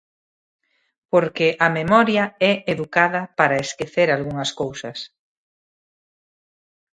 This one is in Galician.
Porque a memoria é educada para esquecer algunhas cousas.